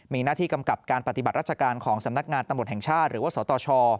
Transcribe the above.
มีหน้าที่กำกับการปฏิบัติราชการของสำนักงานตำรวจแห่งชาติหรือว่าสตช